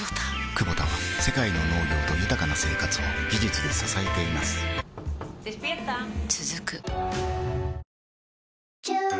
クボタは世界の農業と豊かな生活を技術で支えています起きて。